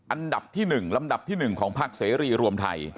อันดับที่๑ลำดับที่๑ของภาคเสรีรวมไทย